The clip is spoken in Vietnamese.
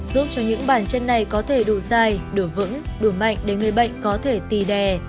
giúp cho những bản chân này có thể đủ dài đủ vững đủ mạnh để người bệnh có thể tì đè